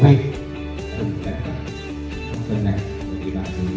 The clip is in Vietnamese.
và hãy nhấn đăng ký kênh để ủng hộ kênh của chúng tôi